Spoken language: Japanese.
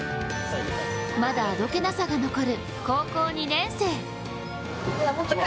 まだあどけなさが残る高校２年生。